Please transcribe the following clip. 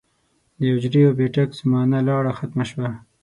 د حجرې او بېټک زمانه لاړه ختمه شوه